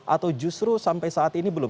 atau justru sampai saat ini belum